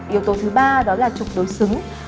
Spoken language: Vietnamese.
yếu tố thứ ba đó là trục đối xứng